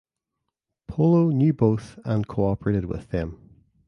Polo knew both an cooperated with them.